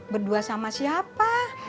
berdua sama siapa